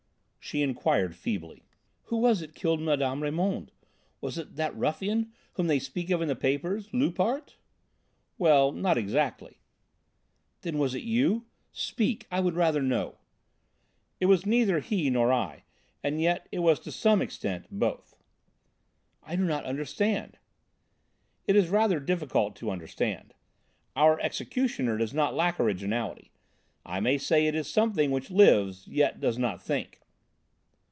She inquired feebly: "Who was it killed Mme. Raymond? Was it that ruffian whom they speak of in the papers Loupart?" "Well, not exactly!" "Then was it you? Speak, I would rather know." "It was neither he nor I, and yet it was to some extent both." "I do not understand." "It is rather difficult to understand. Our 'executioner' does not lack originality. I may say it is something which lives yet does not think."